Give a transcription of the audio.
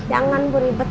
jangan bu ribet